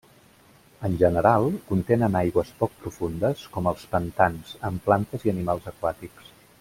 En general, contenen aigües poc profundes com els pantans amb plantes i animals aquàtics.